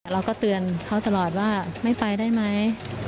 เราก็เตือนเขาตลอดว่าไม่ไปได้ไหม